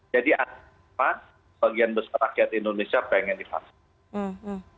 jadi atas kemampuan bagian besar rakyat indonesia ingin di vaksin